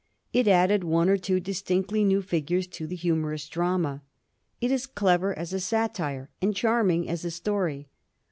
It added one or two dis tinctly new figures to the humorous drama. It is clever as a satire and charming as a story.